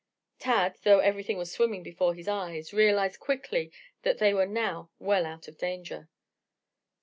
Tad, though everything was swimming before his eyes, realized quickly that they were now well out of danger.